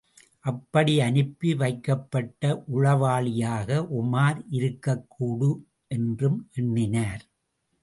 அப்படி அனுப்பி வைக்கப்பட்ட உளவாளியாக உமார் இருக்கக்கூடும் என்றும் எண்ணினார்.